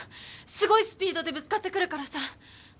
すごいスピードでぶつかってくるからさ